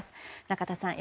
仲田さん